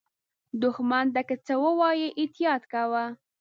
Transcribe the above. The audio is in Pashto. دښمن ته که څه ووایې، احتیاط کوه